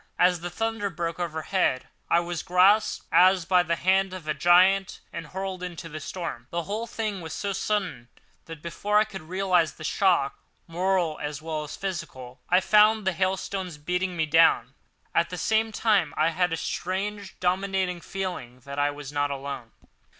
As the thunder broke overhead, I was grasped as by the hand of a giant and hurled out into the storm. The whole thing was so sudden that, before I could realise the shock, moral as well as physical, I found the hailstones beating me down. At the same time I had a strange, dominating feeling that I was not alone.